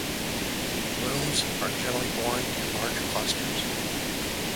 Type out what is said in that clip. Blooms are generally borne in large clusters.